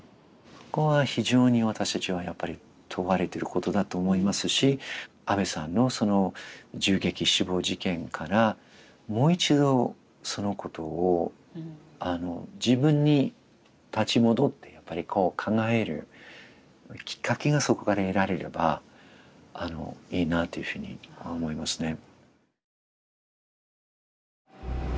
そこは非常に私たちはやっぱり問われてることだと思いますし安倍さんのその銃撃死亡事件からもう一度そのことを自分に立ち戻ってやっぱり考えるきっかけがそこから得られればいいなというふうに思いますね。